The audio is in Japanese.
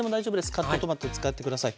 カットトマト使って下さい。